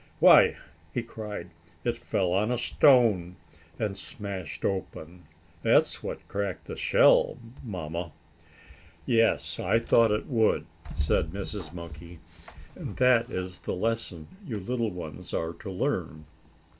"Why!" he cried. "It fell on a stone, and smashed open. That's what cracked the shell, Mamma." "Yes, I thought it would," said Mrs. Monkey. "And that is the lesson you little ones are to learn.